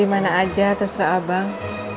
di mana aja terserah abang